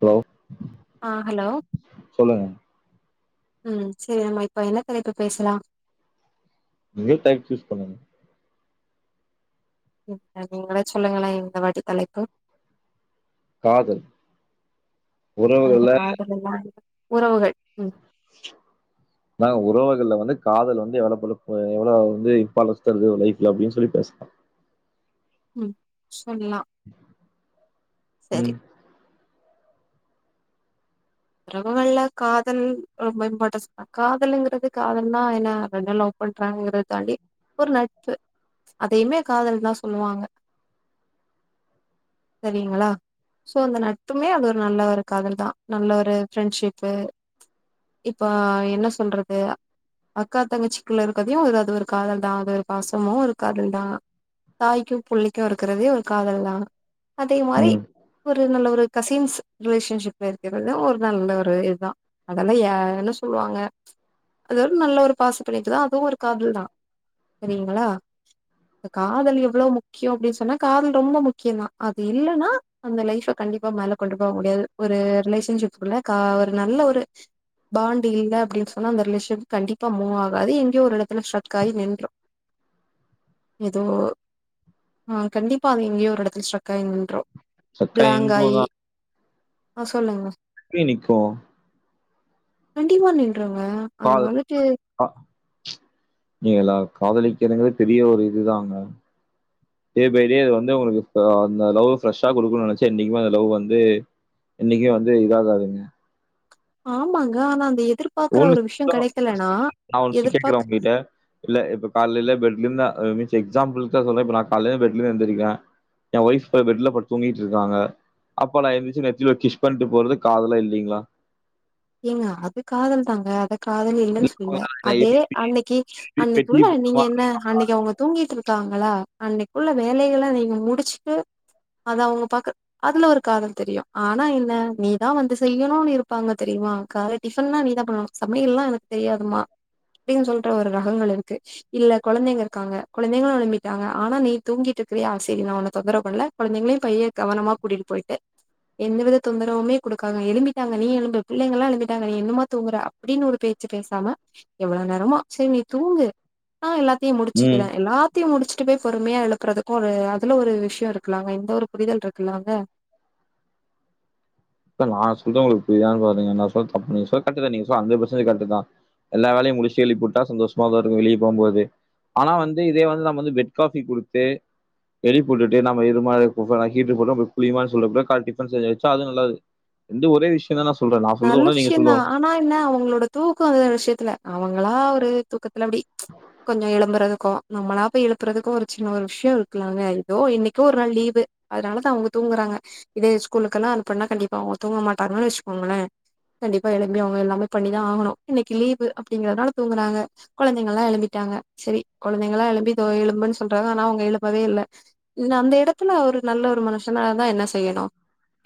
Hello அ hello சொல்லுங்க உம் செரி நம்ம இப்ப என்ன தலைப்பு பேசலா நீங்களே தலைப் சூஸ் பண்ணணு இப்ப நீங்களே சொல்லுங்களே இந்த வாட்டி தலைப்பு காதல் [unintelligible] காதலெல்லா [unintelligible] உறவுகள் ம் நா உறவுக் இதுல வந்து காதல் வந்து எவ்ளோ [unintelligible] எவ்ளோ வந்து இம்பார்ட்டென்ஸ் தருது லைஃப்ல அப்டின்னு சொல்லி பேசு [unintelligible] உம் ச் சொல்லா சரி உம் ரகல்லாக் காதல் ரொம்ப இம்பாட்டஸ்பா காதலுங்கிறது காதல்னா என்ன ரெண்டு லவ் பண்றாங்கங்கிறது தாண்டி ஒரு நட்பு ம்ச் அதையுமே காதல்னு தா சொல்லுவாங்க சரிங்களா சோ அந்த நட்புமே அது ஒரு நல்ல ஒரு காதல் தா நல்ல ஒரு ஒரு ஃப்ரெண்ட்ஷிப்பு ம்ச் இப்போ என்ன சொல்லுறது அக்கா தங்கச்சிக்குள்ள இருக்கிறதையு எதாதொரு காதல் தா அது ஒரு பாசமு ஒரு காதல் தா தாய்க்கு புள்ளைக்கு இருக்கிறதையு ஒரு காதல் தா அதே மாரி ம் ஒரு நல்ல ஒரு கசின்ஸ் ரிலேஷன்ஷிப்ல இருக்கிறது ஒரு நல்ல ஒரு இதான் அதெல்லாம் யார் என்ன சொல்லுவாங்க அது ஒரு நல்ல ஒரு பாச பிணைப்பு தா அதுவும் ஒரு காதல் தா தெரியுங்களா இந்த காதல் எவ்ளோ முக்கியம் அப்டின்னு சொன்னா காதல் ரொம்ப முக்கியம் தா அது இல்லைன்னா அந்த லைஃப்ப கண்டிப்பா மேல கொண்டு போக முடியாது ஒரு ரிலேஷன்ஷிப் என்னக்கா ஒரு நல்ல ஒரு பாண்ட்டு இல்ல அப்டின்னு சொன்னா அந்த ரிலேஷன் கண்டிப்பா மூவ் ஆகாது எங்கேயோ ஒரு எடத்துல ஸ்ட்ரக் ஆயி நின்றும் எதோ அஹ் கண்டிப்பா அது எங்கேயோ ஒரு எடத்துல ஸ்ட்ரக் ஆயி நின்றும் ஸ்ட்ரக் ஆயி நின்ட்ருவோ தா அஹ் சொல்லுங்க எப்டி நிக்கூம் கண்டிப்பா நில் விட்ருங்க அது வந்துட்டு நீங்களாம் காதலிக்கிறதுங்கிறது பெரிய ஒரு இதுதாங்க டே பை டே இது வந்து உங்களுக்கு ஆஹ் அந்த லவ் ஃப்ரெஷ்ஷா குடுக்கணும்னு நெனைச்சா என்னைக்குமே அந்த லவ் வந்து என்னைக்குமே வந்து இதாகாதுங்க ஆமாங்க அது அந்த எ திர்பாக்கிற ஒன்னு ஒரு விஷ்யம் கெடைக்கலனா நான் ஒன்னு கேட்கிறேன் எதிர்பார்க்- உங்ககிட்ட இல்ல இப்ப காலையில பெட்ல இருந்தா அது மீன்ஸ் எக்ஸாம்பிள்க்காக சொல்றேன் இப்ப நா காலையில பெட்ல இருந்து எந்திருக்கிற என் ஒய்ஃப் இப்ப பெட்ல படுத்து தூங்கிட்டு இருக்காங்க அப்ப நா எந்திரிச்சி நெத்தியில கிஷ் பண்ணிட்டு போறது காதலா இல்லிங்களா ஏங்க அது காதல் தாங்க அதக் காதலி இல்லன் சொல்ல நான் அதே அன்னிக்கி அன்னிக்குல்ல நீங்க என்ன அன்னிக்கு அவுங்க தூங்கிட்டு இருக்காங்களா அன்னைக்குள்ள வேலைகளா நீங்க முடிச்சுட்டு அத அவுங்க பாக்க அதுல ஒரு காதல் தெரியு ஆனா என்ன நீதா வந்து செய்யணுன்னு இருப்பாங்க தெரியுமா கால டிஃபன்லா நீதா பண்ணணு சமையில்லா எனக் தெரியாதுமா அப்டின் சொல்டு ஒரு ரகங்கள் இருக்கு இல்ல கொழந்தைங்க இருக்காங்க கொழந்தயிங்களு எழும்பிட்டாங்க ஆனா நீ தூங்கிட்டு இருக்குரிய ஆ சேரி நா உன்ன தொந்தரவு பண்ல கொழந்தைங்களையு கைய கவனமா கூட்டிட்டு போயிட்டு எந்தவித தொந்தரவுமே குடுக்காங்க எழும்பிட்டாங்க நீ எழும்பு பிள்ளைங்கல்லா எழும்பிட்டாங்க நீ இன்னுமா தூங்குற அப்டின் ஒரு பேச்சு பேசாம எவ்ளோ நேரமோ சேரி நீ தூங்கு ஆஹா எல்லாத்தியு ம். முடிச்சுக்குறே எல்லாத்தியு முடிச் ட்டு போய் பொறுமியா எழுப்புறதுக்கு ஒரு அதுல ஒரு விஷ்யோ இருக்குலாங்க இந்த ஒரு புரிதல் இருக்குல அங்க இப்ப நா சொல்றது உங்குளுக் புரிதா பாருங்க நா சொல் தப்புன் நீங் சொல்றது கரெக்ட் தா நீங்க சொல்றது ஹண்டர்ட் பெஷன்டேஜ் கரெக்டுதா எல்லா வேலையு முடிச்சு எழுப்பிவுட்டா சந்தோஷ்மா தா இருக்கு வெளிய போம்போது ஆனா வந்து இதே வந்து நம்ம வந்து பெட் காபி குடுத்து எழப்பிவுட்டு நம்ம [unintelligible] நா ஹீட்டர் போட்ட போய் குளிமான்னு சொல்ல [unintelligible] கால்ல டிப்பன் செஞ்சு வெச்ச அது நல்லாது ரெண்டு ஒரே விஷ் நல்ல விஷியதா ஆனா என்ன அவுங்குளோட தூக்க வேற விஷியத்துல அவுங்களா ஒரு தூக்கத்துல அப்பிடி கொஞ்ச எழும்புறதுக்கு நம்மளா போய் எழுப்புறதுக்கு ஒரு சின்ன ஒர் விஷ்யோ இருக்குல்லாங்க இதோ இன்னிக்கோ ஒர் நாள் லீவு அதுனால தா அவுங்க தூங்குறாங்க இதே ஸ்கூலுக்கெல்லா அனுப்புண்ணா கண்டிப்பா அவுங்க தூங்க மாட்டாங்கன் வெச்சுக்கோங்குளே கண்டிப்பா எழும்பி அவங்க எல்லாமே பண்ணிதா ஆகணு இன்னிக்கு லீவு அப்பிடிங்குறதுனால தூங்குறாங்க கொழந்தைங்க எல்லா எழும்பிட்டாங்க செரி கொழந்தைங்கல்லா எழும்பி இதோ எழும்புன் சொல்றாங்க ஆனா அவுங்க எழுப்பவே இல்ல இன்ன அந்த எடத்துல ஒரு நல்ல ஒரு மனுசுனாதா என்ன செய்யுணு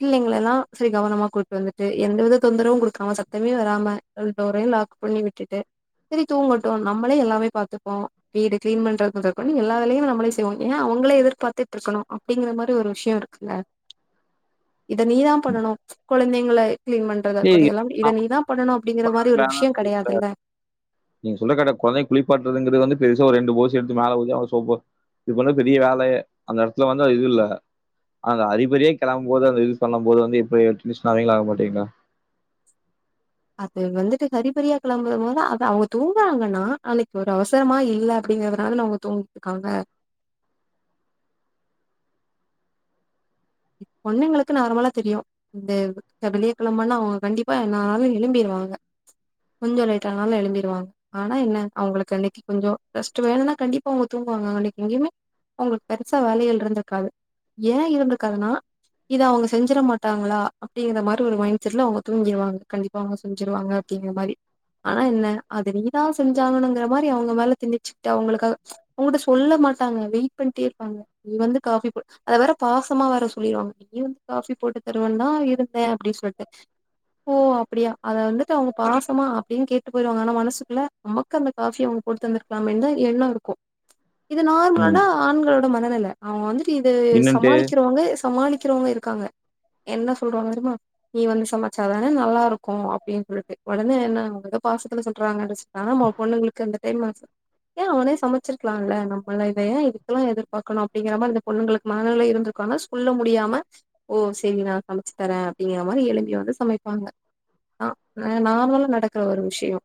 பிள்ளைங்கள எல்லா செரி கவனமா கூட்டு வந்துட்டு எந்த விதத் தொந்தரவு குடுக்காம சத்தமே வராம [unintelligible] டோரையு லாக் பண்ணி விட்டுட்டு சேரி தூங்கட்டு நம்மளே எல்லாமே பாத்துப்போம் வீடு கிளீன் பண்ற முதல் கொண்டு எல்லா வேலையு நம்மளே செய்வோம் ஏன் அவுங்குளே எதிர்பாத்துட்டு இருக்கணு அப்டிங்கிற மாரி ஒரு விஷ்யோ இருக்குல்ல இத நீதா பண்ணணு கொழந்திங்கல்ல கிளீன் பண் பண்றத ஏய் இருக்கட்டு எல்லாம் இத நீதா பண்ணணு அப்டிங்கிற மாரி ஒரு விஷ்யம் கடையாதுல்ல நீங்க சொல்ற கரட்ட கொழந்தைய குளிப்பாட்டுறதுங்கிறது வந்து பெருசா ஒரு ரெண்டு போசி எடுத்து மேல ஊத்தி அவ சோப்ப இது பண்றது பெரிய வேலையே அந்த எடத்துல வந்து அது இது இல்ல அந்த அறிபறிய கிளம்பும்போது அது இது பண்ண போது வந்து இப்ப [unintelligible] ஆவிங்களா ஆக மாட்டீங்குளா அது வந்துட்டு கரிபரியா [unintelligible] அத அவுங்க தூங்குறாங்குன்னா அன்னிக் ஒரு அவசரமா இல்ல அப்பிடிங்கறிறதுனால தான அவுங்க தூங்கிட்ருக்காங்க பொண்ணுங்களுக்கு நாருமலா தெரியு இந்த வெ வெளிய கெழம்பான்னா அவுங்க கண்டிப்பா என்னாலு எழும்பிருவாங்க கொஞ்ச லேட் ஆனாலு எழும்பிருவாங்க ஆனா என்ன அவுங்களுக்கு அன்னைக்கு கொஞ்சோ ரெஸ்டு வேணும்னா கண்டிப்பா அவுங்க தூங்குவாங்க அன்னைக் எங்கியுமே அவுங்குளுக் பெருசா வேலைகள் இருந்திருக்காது ஏன் இருந்து க்காதுனா இத அவுங்க செஞ்சிட மாட்டாங்களா அப்டிங்கற மாரி ஒரு மயிண்செட்ல அவுங்க தூங்கிருவாங்க கண்டிப்பா அவுங்க செஞ்சுருவாங்க அப்பிடிங்கிற மாரி அனா என்ன அது நீதா செஞ்ஞாங்குனு மாரி அவுங்க மேல தினிச்சிஞ்டா அவுங்களுக்காக ஒங்குட்ட சொல்ல மாட்டாங்க வெயிட் பண்ணிட்டே இருப்பாங்க நீ வந்து காபி போட் அத வேற பாஸ் சம்மா வேற சொல்லிருவாங்க நீ வந்து காபி போட்டு தருவன் தா இருந்தே அப்டின் சொல்லிட்டு ஓ அப்டியா அத வந்துட்டு அவுங்க பாசமா அப்டின் கேட்டு போயிருவாங்க அனா மனசுக்குள்ள நமக்கு அந்த காபி அவுங் போட்டு தந்திருக்கலாமே தா எண்ணோ இருக்கு இது ம் நார்மலனா ஆண்களோட மனநல அவுங்க வந்துட் இது என்னன்ட்டு சமாளிக் வெக்கிறவோங்க சமாளிக்கிறவுங்க இருப் க்காங்க என்ன சொல்லறோங் தெரியுமா நீ வந்து சமச்சாதான நல்லா இருக்கு அப்டின் சொல்லிட்டு ஒடனே என்ன [unintelligible] எதோ பாசத்துல சொல்றாங்க [unintelligible] பொண்ணுங்களுக்கு அந்த டைம் மனசுல ஏன் அவனே சமச்சிருக்கலால நம்முளவே இதுக்குல்லா எதிர்பாக்கணும் அப்டிங்கிற மாரி இந்த பொண்ணுங்களுக்கு மனநெல இருந்துருக் க்கு அனா சொல்ல முடியாம ஓ சேரி நா சமச்சுதரே அப்டிங்கிற மாரி எழும்பி வந்து சமைப்பாங்க ஹ நெ நார்மல நடக்குற ஒரு விஷியம்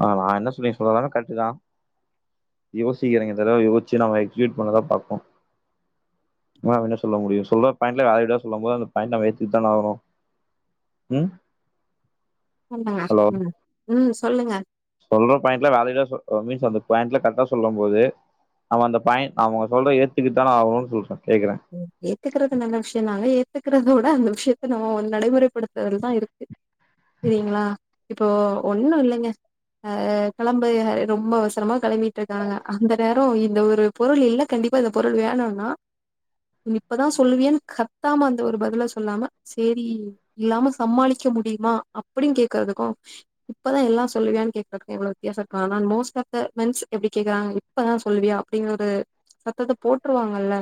அட நா என்ன சொல்லீ [unintelligible] கரட்டுதா யோசிக்கிறீங்க இதல்லா யோசிச்சு [unintelligible] பண்ணதா பாப்போ அதா அவ என்ன சொல்ல முடியு சொல்ற பாயிண்ட்ல வேற விதா சொல்லும் போது அந்த பாயிண்ட நம்ம ஏத்துட்த்தான ஆகணு உம் ஆமா ம் ம் சொல்லுங்க சொல்ற பாயிண்ட்ல வேற இதா [unintelligible] சோ மீன்ஸ் அந்த [unintelligible] கரெக்டா சொல்லும் போது அவ அந்த பாயிண்ட் அவுங்க சொல்ற ஏத்துக்கிட்டுதா ஆகுணு சொல்றே ஏத்தக்கறது நல்ல விஷயந்தாங்க ஏத் த்துக்கறதோட அந்த விஷயத்த நம்ம வந் நடைமுறைப்படுத்தறதல்ல தா இருக்கு செரிங்குளா இப்ப ஒன்னு இல்லைங்க அ கிளம்பு யா ரொம்ப அவசரமா களம்பிட்டு இருக்காங்க அந்த நேர் ட்டு இந்த ஒரு பொருள் இல்ல கண்டிப்பா இந்த பொருள் வேணுனா நீ இப்பதா சொல்லுவியான்னு கத்தாம அந்த ஒரு பதுல சொல்லாம சேரி இல்லாம சம்மாளிக்க முடியுமா அப்டின் கேக்கறதுக்கு இப்பதா எல்லா சொல்லுவியான்னு கேக்குறதுக்கு எவ்ளோ வித்தியாசோருக்கு அனா மோஸ்ட் ஆஃப் த்த மென்ஸ் எப்டி கேக்குறாங்க இப்பதா சொல்லுவியா அப்டின் ஒரு சத்தத்த போட்டுருவாங்கல்ல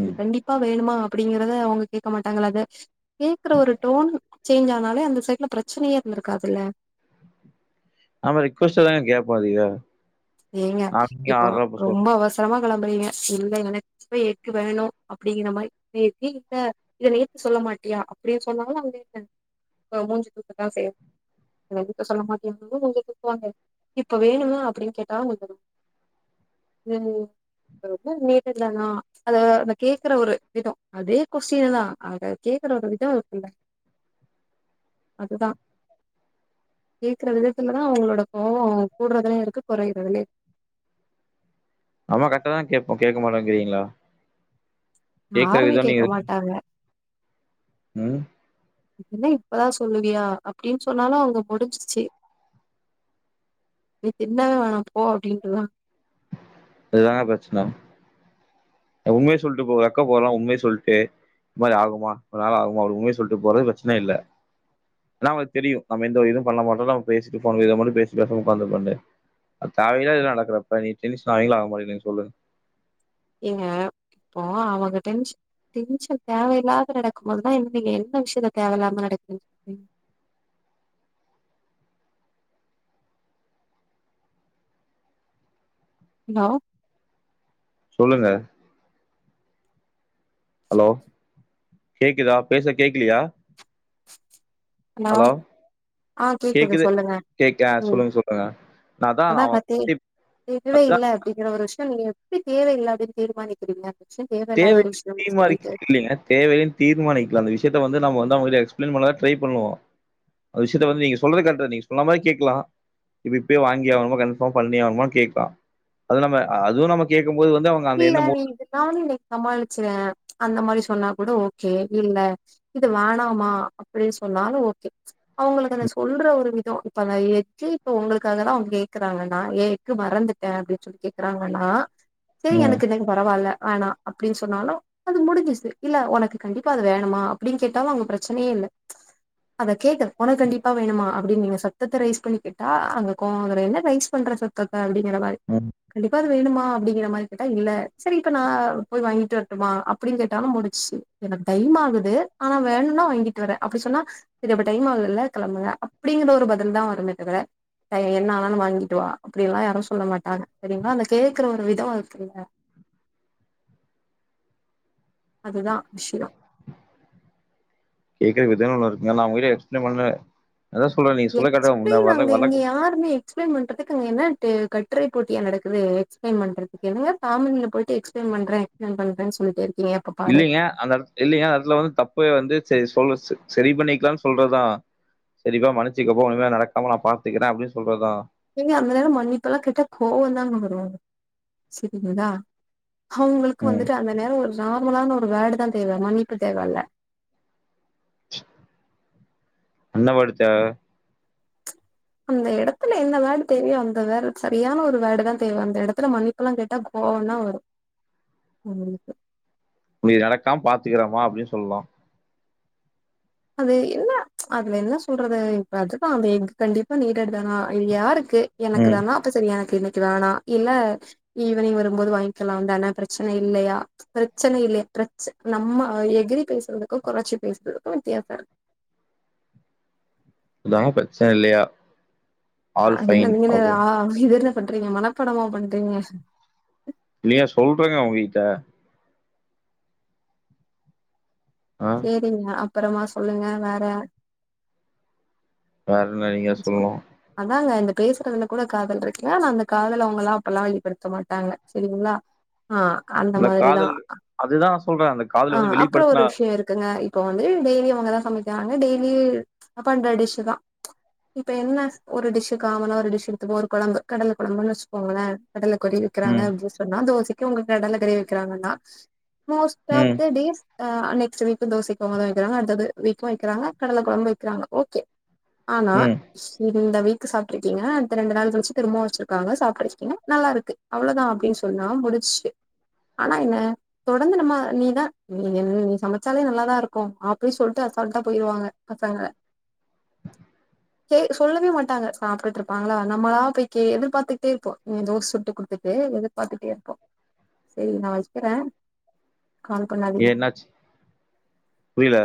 அது கண்டிப்பா வேணுமா அப்பிடிங்கறத அவுங்க கேக்க மாட்டாங்களா அத [unintelligible] கேக்குற ஒரு டோன் சேஞ்ச் ஆனாலே அந்த சைட்ல பிரச்சனையே இருந்துருக்காதுல்ல நம்ம ரிக்வஸ்ட்ட [unintelligible] ஏங்க அவங்க இப்போ ஆட்ரா போ ரொம்ப அவசரமா களம்புரிங்க இல்ல [unintelligible] வீட்டுக்கு வேணு அப்பிடிங்கிற மாரி [unintelligible] இல்ல இத நேத்து சொல்ல மாட்டியா அப்டியே சொன்னாலு அங்கேருக்காது அ மூஞ்சி தூக்க தா செய் [unintelligible] முன்க்கூட்டியே செல்ல மாட்டியா [unintelligible] அப்பாவு மூஞ்ச தூக்குவாங்க இப்ப வேணுங்க அப்டின் கேட் [unintelligible] அத கேக்குற ஒரு விதோ அதே கொஸ்டின்னு தா அது கேக்கறத விதோ இருக்குல்ல அதுதா கேக்கற விதத்துலதா அவுங்களோட கோவோ கூடுறதுலையு இருக்கு கொறையுதலேயு அமா கரட்டாதா கேப்போ கேக்க மாட்டோங்கிறீங்ளா ஆருமே கேக்க மாட்டாங்க ம் இதேல்லா இப்பதா சொல்லுவியா அப்டின் சொன்னாலு அவுங்கப் முடிஞ்சிச்சி நீ தின்னவே வேணா போ அப்டின்ட்டுதா அதுதா ப்ரச்சன்ன உண்மைய சொல்ட்டு போ வெக்க போனா உண்மைய சொல்ட்டு இது மாதி ஆகுமா ஒரு நாள் ஆகுமா ஒரு உண்மைய சொல்ட்டு போறது ப்ரச்னே இல்ல எனா அவுங்ளுக் தெரியு நம்ம எந்த இதுவு பண்ண மாட்டோ நம்ம பேசிட்டு [unintelligible] இத மட் பேசி பேச ஒக்காந்துட்டோன்னு அது தேவையே இதேல்லா நடக்கறப்ப நீங் டென்ஷன் ஆவிங்ளா அவமாட்டிங்ளா சொல்லு ஏங்க இப்போ அவங்க டென்ஷ் டென்ஷன் தேவையில்லாத நடக்கும்போதுதா [unintelligible] நீங்க எந்த விஷயத்த தேவையில்லாம நடக்கு [unintelligible] ஹலோ சொல்லுங்க அலோ கேக்குதா பேச கேக்கிலியா அலோ ஆ கேக்குது சொல்லுங்க கேக் ஆ ம் சொல்லுங்க சொல்லுங்க அதா கத்தே இதுவே அதுதா இல்ல அப்டிங்ற ஒரு விஷ் [unintelligible] நீங்கெப்டி தேவையில்லாதது தீர்மானிக்கிறிங்க தேவைய தீர்மானிக்றதில்லங்க தேவைய தீர்மானிக்லா அந்த விஷயத்த வந்து நம்ம வந் தா அவுங்ளுக் எக்ஸ்ப்ளைன் பண்ண தா ட்ரை பண்ணுவோ அந்த விஷ்யத்த வந்து நீங்க சொல்றதே கரெக்ட் தா நீங் சொல்லா மாரி கேக்லா இப்டிப்டி வாங்கியானுமா கன்ஃபாம் பண்ணியானுமா கேக்லா அத நம்ம அ அதுவு நம்ம கேக் கும்போது வந்து அவுங்க அந்த என்ன மு சமாளிச்சிவே அந்த மாரி சொன்னாக் கூட ஓகே இல்ல இது வேணாமா அப்டின் சொன்னாலு ஓகே அவுங்களுக்கு அத சொல்ற ஒரு விதோ இப்ப நா [unintelligible] உங்களுக்காகதா அவுங்க கேக்குறாங்கன்னா ஏக்கு மறந்துட்டே அப்டின் சொல்லி கேக்குறாங்கன்னா செரி ம் எனக்கு இன்னைக்கு பரவால்ல வேணா அப்டின் சொன்னாலு அது முடிஞ்சிருச்சு இல்ல ஒனக்கு கண்டிப்பா அது வேணுமா அப்டின் கேட்டாலு அங்க ப்ரச்னையே இல்ல அத கேக்கற ஒனக் கண்டிப்பா வேணுமா அப் அப்டின் நீங்க சத்தத்த ரைஸ் பண்ணி கேட்டா அங்க கோவோ வந்துரு என்ன ரைஸ் பண்ற சத்தத்த அப்டின் இத மாரி ம் கண்டிப்பா அது வேணுமா அப்டிங்கிற மாரி கேட்டா இல்ல செரி இப்ப நா போய் வாங்கிட்டு வர்டுமா அப் ப்டின் கேட்டாலூ முடிஞ்ச்சு எனக்கு டைம் ஆகுது ஆனா வேணூன்னா வாங்கிட்டு வரே அப்டி சொன்னா அப்ப டைமாகுதுல்ல கெளம்புங்க அப்டிங்கிற ஒரு பத் தில் தா வருமே தவிர அ என்ன வேணாலு வாங்கிட்டு வா அப்டிலா யாரூ சொல்ல மாட்டாங்க சரிங்களா கேக்ற ஒரு விதோ வந் றீங்க அதுதா [unintelligible] தா [unintelligible] [unintelligible] நா அவுங்கிட்ட எக்ஸ்ப்ளைன் பண் [unintelligible] எக்ஸ்ப்ளைன் அங்க இங்க யாருமே எக்ஸ்ப்ளைன் பண்றதுக் அங்க என்ன டு கட்டுரை போட்டியா நடக்குது எக்ஸ்ப்ளைன் பண்றதுக்கு என்னங்க காமன்ல போய்ட்டு எக்ஸ்ப்ளைன் பண்றே எக்ஸ்ப்ளைன் பண்றேன்னு சொல்லிட்டேர் இல்லீங்க அந்த எடத் இல்லீங்க அந்த எடத்துல வந்து தப்ப வந்து செர் சொல்லச் செரி பண்ணிக்லான் சொல்றதா செரிப்பா மன்னிச்சுக்கப்பா ஒன்னுமே நடக்காம நா பாத்துக்கிறே அப்டின் சொல்றதா நீங்க அந்த நேரோ மன்னிப்பல்லா கேட்டா கோவோந்தாங்க வரூ சரிங்களா அவுங்ளுக்கு ம் வந்துட்டு அந்த நேரோ ஒரு நா [unintelligible] முனானு ஒரு வேடுதா தேவ மன்னிப்பு தேவல்ல என்ன படிச்ச அந்த எடத்துல என்ன வேடு தேவயோ அந்த வேடு சரியான ஒரு வேடு தா தேவ அந்த எடத்துல மன்னிப்புலா கேட்டா கோவந்தா வரு நீ நடக்காம் பாத்துக்கிற வா அப்டின் சொல்லா அது என்ன அதுல என்ன சொல்றது இப்ப அதுதா அந்த [unintelligible] கண்டிப்பா நீடட் தானா இது யாருக்கு எனக்கு ம் தானா அப்ப சரி எனக்கு இன்னைக் [unintelligible] னா இல்ல ஈவினிங் வரும்போது வாங்கிக்கலாம்தான பிரச்சனை இல்லையா பிரச்சனை இல்லைய பிரச்ச நம்ம எகிரி பேசுறதுக்கு கொறச்சி பேசுறதுக்கு கேப்ப தா பிரச்சன் இல்லையா ஆ ஆல் என்ன ஃபைன் நீங்க அ அப்படின்னு இதெல்லா பண்றீங்க மனப்படமா பண்றீங்க இல்லங்க சொல்றங்க உங்ககிட்ட ஆ? செரிங்க அப் அப்புறமா சொல்லுங்க வேற வேற என்ன நீங்க அப்டின் சொல் சொல்னோ அதாங்க இந்த பேசுறதுல கூட காதல் ருக்குல்ல ஆனா அந்த காதல அவங்லா அப்பல்லா வெளிப்படுத்த மாட்டாங்க சேரிங்ளா அ அந்த மாரி தா காதல் அதுதான் நான் சொல்றேன் அந்த காதல் ஆ வந்து அப்றோஒரு வெளிப்படுத்தினா விஷ்யோ இருக்குங்க இப்போ வந்து டெய்லி இவங்கதா சமைப் தாங்க டெய்லி பன்ற டிஷ்ஷு தா இப்ப என்ன ஒரு டிஷ்ஷு காமனா ஒரு டிஷ்ஷு எடுத்தப்போ ஒரு கொழம்பு கடல கொழம்புன் வச்சுக்கோங்களே கடல க்ரேவி வைக்கிறாங்க ம் அப்டின் சொன்னா தோசைக்கு உங்க கடல க்ரேவி வெக்கிறாங்கன்னா மோஸ்ட் ஆப் ம் த டேஸ் ஆ நெக்ஸ்ட் வீக் தோசைக்கு அதா வெக்கிறாங்க அடுத்த வீக்கு ருக்காங்க கடல கொழம்பு வெக்கிறாங்க ஓகே ஆனா ம் இந்த வீக்கு சாப்பிட்ருக்கீங்க அடுத்த ரெண்டு நாள் கழிச்சு திரும்ப வச்சிருக்காங்க சாப்பிட்ருக்கீங்க நல்லா இருக்கு அவ்ளதா அப்டின் சொன்னா முடிஞ்சு ஆனா என்ன தொடர்ந்து நம்ம நீதான் நீ நீ நீசமைச்சாலே நல்லாதா இருக்கு அப்டின் சொல்ட்டு அசால்ட்டா போயிருவாங்க பசங்க ஏ சொல்லவே மாட்டாங்க சாப்டுட்டு இருப்பாங்ளா நம்மளா போய் கே எதிர்பாத்துட்டே இருப்போ ம் தோச சுட்டு குடுத்துட்டு எதிர்பாத்துட்டே இருப்போ சேரி நா வக்கிற ஏ என்னாச்சு புரில